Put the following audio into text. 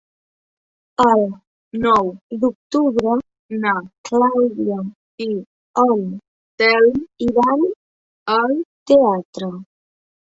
El nou d'octubre na Clàudia i en Telm iran al teatre.